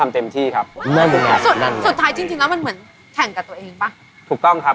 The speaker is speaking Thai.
เราไม่สามารถลูกว่า